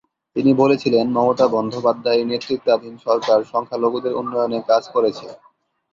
তিনি বলেছিলেন মমতা বন্দ্যোপাধ্যায়ের নেতৃত্বাধীন সরকার সংখ্যালঘুদের উন্নয়নে কাজ করেছে।